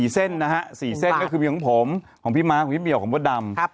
๔เส้นนะฮะ๔เส้นก็คือมีของผมของพี่ม้าของพี่เหี่ยวของมดดำ